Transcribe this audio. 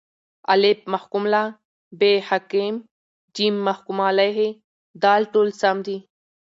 الف: محکوم له ب: حاکم ج: محکوم علیه د: ټوله سم دي